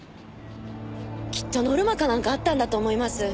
きっとノルマかなんかあったんだと思います。